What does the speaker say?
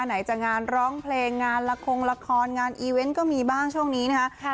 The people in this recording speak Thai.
ไหนจะงานร้องเพลงงานละครงละครงานอีเวนต์ก็มีบ้างช่วงนี้นะคะ